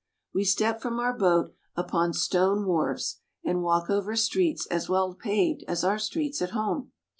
We step from our boat upon stone wharves, and walk over streets as well paved as our streets at home.